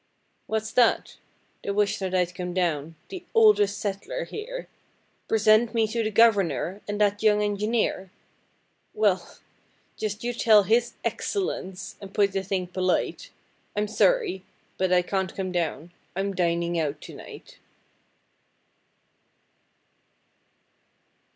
'What's that? They wish that I'd come down the oldest settler here! Present me to the Governor and that young engineer! Well, just you tell his Excellence and put the thing polite, I'm sorry, but I can't come down I'm dining out to night!'